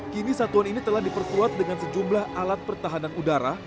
kini satuan ini telah diperkuat dengan sejumlah alat pertahanan udara